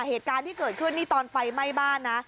เหตุการณ์ที่เกิดขึ้นนี่ตอนไฟไหม้บ้านนะ